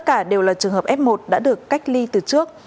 cả đều là trường hợp f một đã được cách ly từ trước